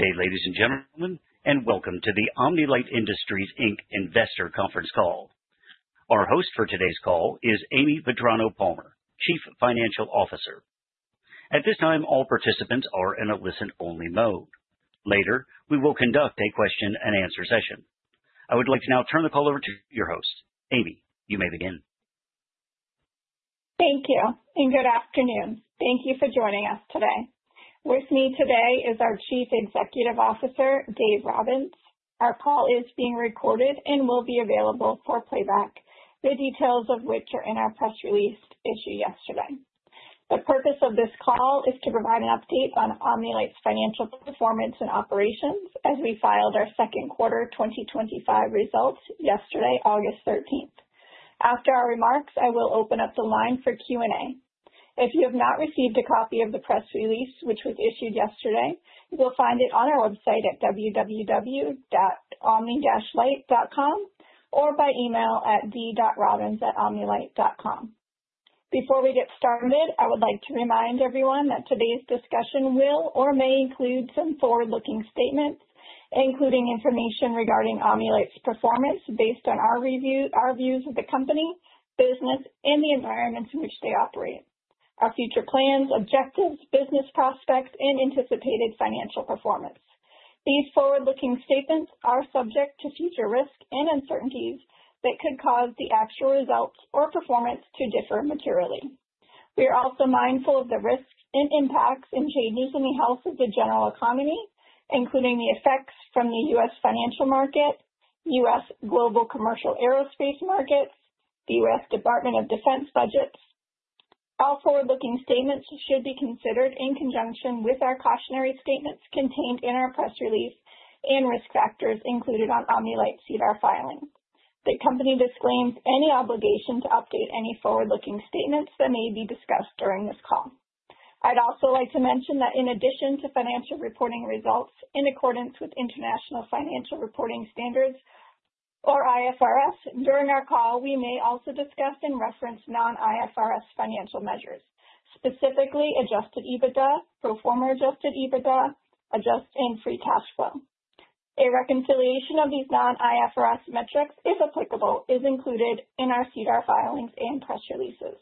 Ladies and gentlemen, welcome to the Omni-Lite Industries Inc Investor Conference Call. Our host for today's call is Amy Vetrano-Palmer, Chief Financial Officer. At this time, all participants are in a listen-only mode. Later, we will conduct a question and answer session. I would like to now turn the call over to your host. Amy, you may begin. Thank you, and good afternoon. Thank you for joining us today. With me today is our Chief Executive Officer, Dave Robbins. Our call is being recorded and will be available for playback, the details of which are in our press release issued yesterday. The purpose of this call is to provide an update on Omni-Lite's financial performance and operations as we filed our second quarter 2025 results yesterday, August 13th. After our remarks, I will open up the line for Q&A. If you have not received a copy of the press release, which was issued yesterday, you'll find it on our website at www.omni-lite.com or by email at d.robbins@omnilite.com. Before we get started, I would like to remind everyone that today's discussion will or may include some forward-looking statements, including information regarding Omni-Lite's performance based on our views of the company, business, and the environments in which they operate, our future plans, objectives, business prospects, and anticipated financial performance. These forward-looking statements are subject to future risks and uncertainties that could cause the actual results or performance to differ materially. We are also mindful of the risks and impacts and changes in the health of the general economy, including the effects from the U.S. financial market, U.S. global commercial aerospace markets, and the U.S. Department of Defense budgets. All forward-looking statements should be considered in conjunction with our cautionary statements contained in our press release and risk factors included on Omni-Lite's SEDAR filing. The company disclaims any obligation to update any forward-looking statements that may be discussed during this call. I'd also like to mention that in addition to financial reporting results in accordance with International Financial Reporting Standards, or IFRS, during our call, we may also discuss and reference non-IFRS financial measures, specifically adjusted EBITDA, pro forma adjusted EBITDA, and adjusted free cash flow. A reconciliation of these non-IFRS metrics, if applicable, is included in our SEDAR filings and press releases.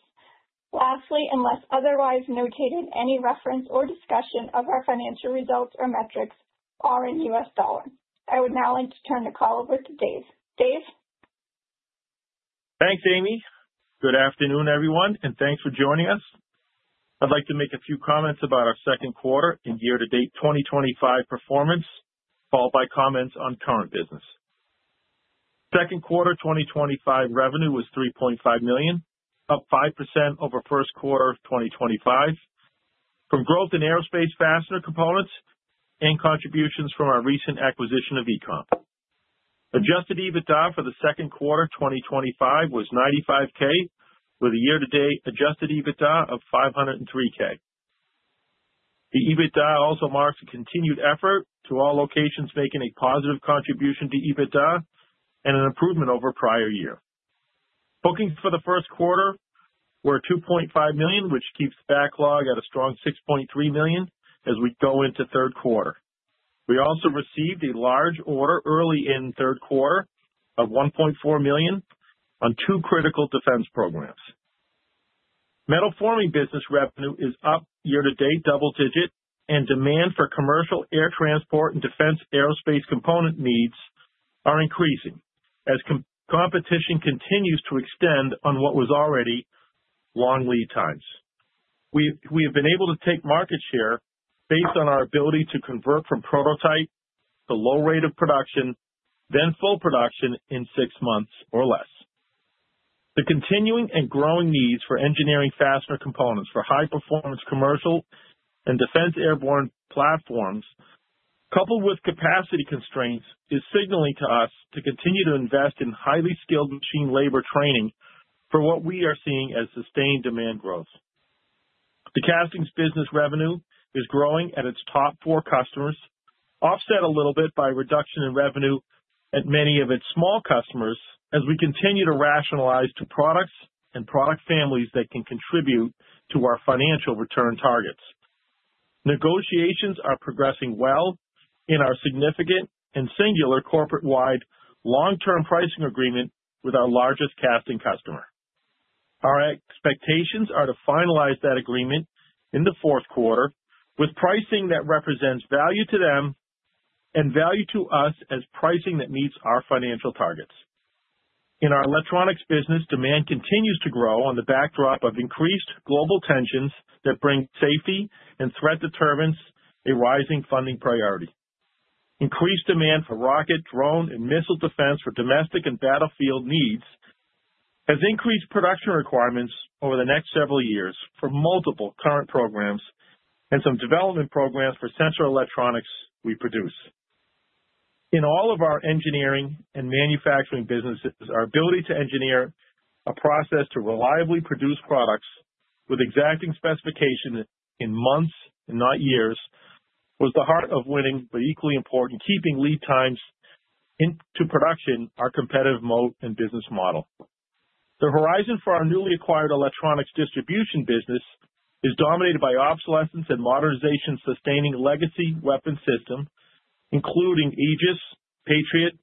Lastly, unless otherwise notated, any reference or discussion of our financial results or metrics are in U.S. dollars. I would now like to turn the call over to Dave. Dave? Thanks, Amy. Good afternoon, everyone, and thanks for joining us. I'd like to make a few comments about our second quarter and year-to-date 2025 performance, followed by comments on current business. Second quarter 2025 revenue was $3.5 million, up 5% over first quarter of 2025, from growth in aerospace fastener components and contributions from our recent acquisition of eComp. Adjusted EBITDA for the second quarter 2025 was $95,000, with a year-to-date adjusted EBITDA of $503,000. The EBITDA also marks a continued effort to all locations, making a positive contribution to EBITDA and an improvement over prior year. Bookings for the first quarter were $2.5 million, which keeps the backlog at a strong $6.3 million as we go into third quarter. We also received a large order early in third quarter of $1.4 million on two critical defense programs. Metal forming business revenue is up year-to-date double-digit, and demand for commercial air transport and defense aerospace component needs are increasing as competition continues to extend on what was already long lead times. We have been able to take market share based on our ability to convert from prototype to low -rate of production, then full production in six months or less. The continuing and growing needs for engineering fastener components for high-performance commercial and defense airborne platforms, coupled with capacity constraints, is signaling to us to continue to invest in highly skilled machine labor training for what we are seeing as sustained demand growth. The castings business revenue is growing at its top four customers, offset a little bit by a reduction in revenue at many of its small customers as we continue to rationalize to products and product families that can contribute to our financial return targets. Negotiations are progressing well in our significant and singular corporate-wide long-term pricing agreement with our largest casting customer. Our expectations are to finalize that agreement in the fourth quarter with pricing that represents value to them and value to us as pricing that meets our financial targets. In our electronics business, demand continues to grow on the backdrop of increased global tensions that bring safety and threat deterrence a rising funding priority. Increased demand for rocket, drone, and missile defense for domestic and battlefield needs has increased production requirements over the next several years for multiple current programs and some development programs for sensor electronics we produce. In all of our engineering and manufacturing businesses, our ability to engineer a process to reliably produce products with exacting specifications in months and not years was the heart of winning, but equally important, keeping lead times into production our competitive mode and business model. The horizon for our newly acquired electronics distribution business is dominated by obsolescence and modernization, sustaining legacy weapon systems, including Aegis, Patriot,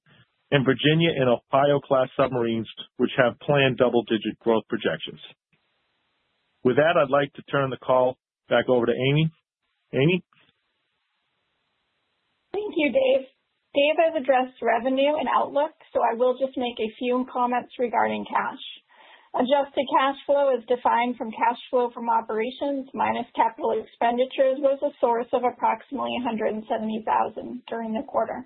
and Virginia-class and Ohio-class submarines, which have planned double-digit growth projections. With that, I'd like to turn the call back over to Amy. Amy? Thank you, Dave. Dave has addressed revenue and outlook, so I will just make a few comments regarding cash. Adjusted cash flow is defined from cash flow from operations minus capital expenditures, was a source of approximately $170,000 during the quarter.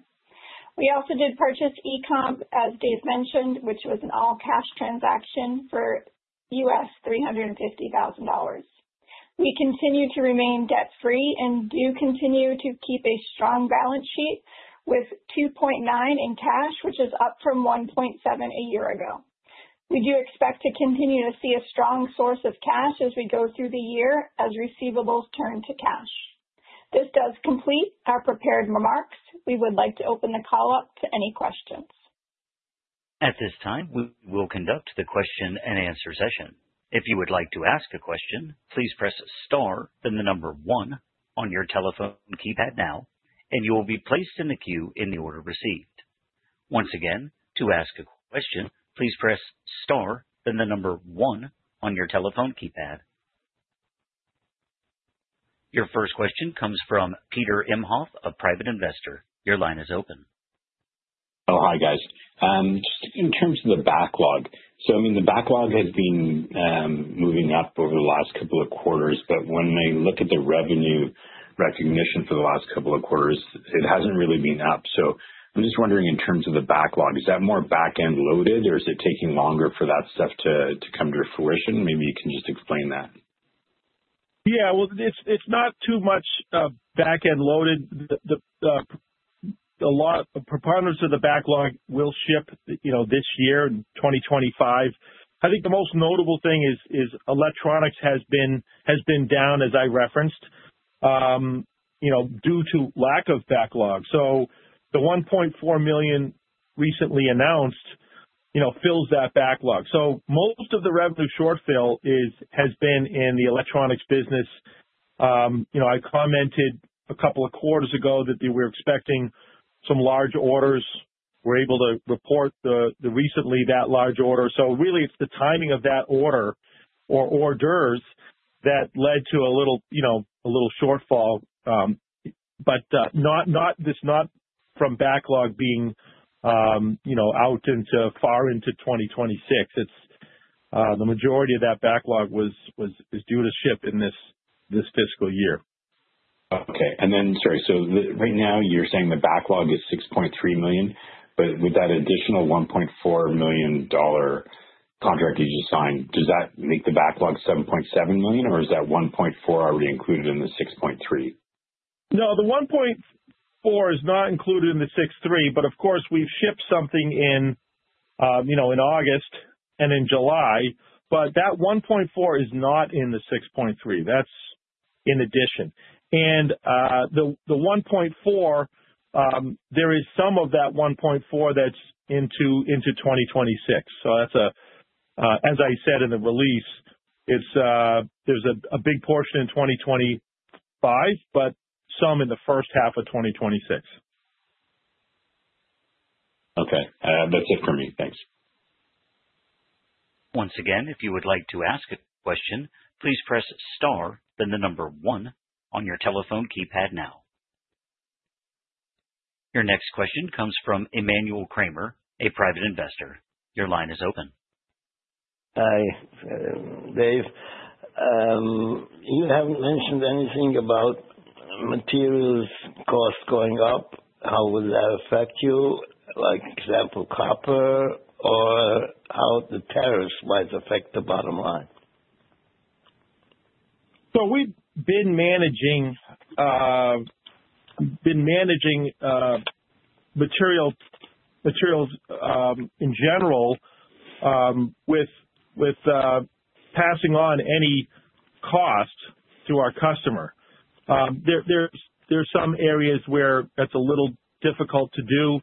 We also did purchase eComp, as Dave mentioned, which was an all-cash transaction for $350,000. We continue to remain debt-free and do continue to keep a strong balance sheet with $2.9 million in cash, which is up from $1.7 million a year ago. We do expect to continue to see a strong source of cash as we go through the year as receivables turn to cash. This does complete our prepared remarks. We would like to open the call up to any questions. At this time, we will conduct the question and answer session. If you would like to ask a question, please press star then the number one on your telephone keypad now, and you will be placed in the queue in the order received. Once again, to ask a question, please press star then the number one on your telephone keypad. Your first question comes from Peter Imhoff, a private investor. Your line is open. Hi guys. Just in terms of the backlog, the backlog has been moving up over the last couple of quarters, but when I look at the revenue recognition for the last couple of quarters, it hasn't really been up. I'm just wondering in terms of the backlog, is that more back-end loaded or is it taking longer for that stuff to come to fruition? Maybe you can just explain that. It's not too much back-end loaded. A lot of proponents of the backlog will ship this year, 2025. I think the most notable thing is electronics has been down, as I referenced, due to lack of backlog. The $1.4 million recently announced fills that backlog. Most of the revenue shortfall has been in the electronics business. I commented a couple of quarters ago that we were expecting some large orders. We're able to report recently that large order. It's the timing of that order or orders that led to a little shortfall, not from backlog being out too far into 2026. The majority of that backlog was due to ship in this fiscal year. Okay. Sorry, right now you're saying the backlog is $6.3 million, but with that additional $1.4 million contract that you signed, does that make the backlog $7.7 million or is that $1.4 already included in the $6.3? No, the $1.4 million is not included in the $6.3 million, but of course, we've shipped something in, you know, in August and in July, but that $1.4 million is not in the $6.3 million. That's in addition. The $1.4 million, there is some of that $1.4 million that's into 2026. As I said in the release, there's a big portion in 2025, but some in the first half of 2026. Okay, that's it for me. Thanks. Once again, if you would like to ask a question, please press star then the number one on your telephone keypad now. Your next question comes from Emmanuel Kramer, a private investor. Your line is open. Hi, Dave. You haven't mentioned anything about the materials costs going up. How will that affect you? For example, copper, or how do tariffs affect the bottom line? We have been managing materials in general with passing on any cost to our customer. There are some areas where that's a little difficult to do.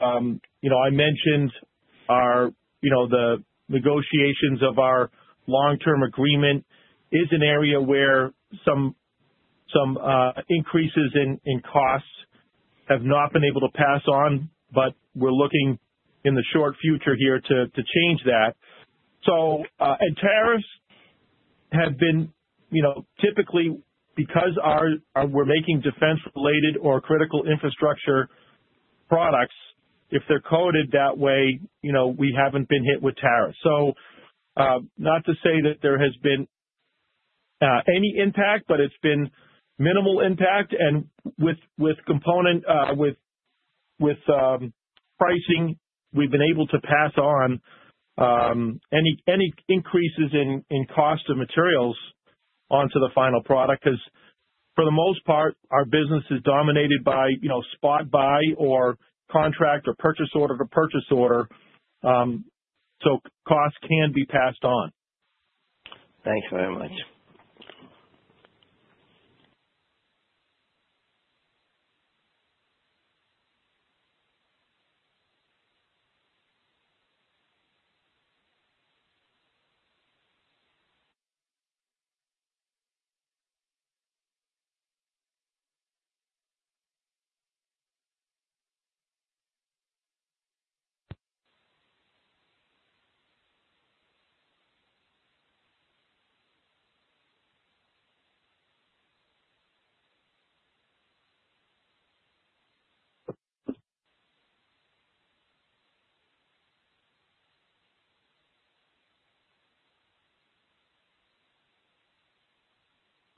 I mentioned the negotiations of our long-term agreement as an area where some increases in costs have not been able to pass on, but we're looking in the short future here to change that. Tariffs have been, typically because we're making defense-related or critical infrastructure products, if they're coded that way, we haven't been hit with tariffs. Not to say that there has been any impact, but it's been minimal impact. With component pricing, we've been able to pass on any increases in cost of materials onto the final product because for the most part, our business is dominated by spot buy or contract or purchase order to purchase order. Costs can be passed on. Thanks very much.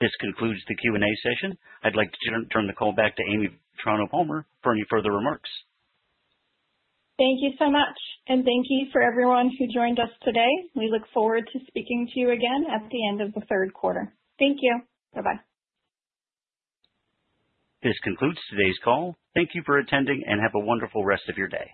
This concludes the Q&A session. I'd like to turn the call back to Amy Vetrano-Palmer for any further remarks. Thank you so much, and thank you for everyone who joined us today. We look forward to speaking to you again at the end of the third quarter. Thank you. Bye-bye. This concludes today's call. Thank you for attending and have a wonderful rest of your day.